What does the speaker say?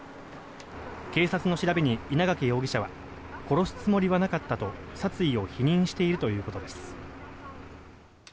警察の調べに、稲掛容疑者は殺すつもりはなかったと殺意を否認しているということです。